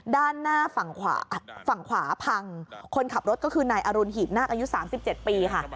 ด้านหน้าฝั่งขวาฝั่งขวาพังคนขับรถก็คือนายอรุณหีบนาคอายุ๓๗ปีค่ะ